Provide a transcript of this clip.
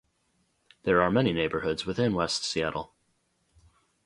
There are many neighborhoods within West Seattle.